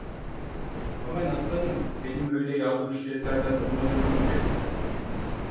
Aman aslanım, benim öyle yağlı müşterilerden olmadığımı bilirsin!